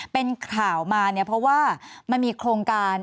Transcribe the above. เป็นข่าวมาเพราะว่ามีโครงการ